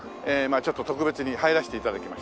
ちょっと特別に入らせて頂きました。